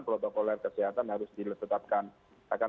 protokol kesehatan harus diletakkan